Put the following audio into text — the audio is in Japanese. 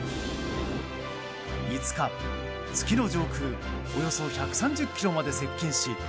５日、月の上空およそ１３０ｋｍまで接近し